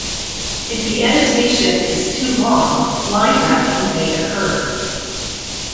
If the annotation is too long, line wrapping may occur.